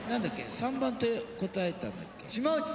３番って答えたんだっけ？